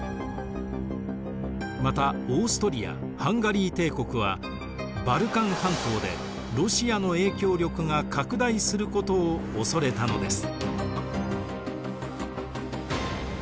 またオーストリア＝ハンガリー帝国はバルカン半島でロシアの影響力が拡大することを恐れたのです。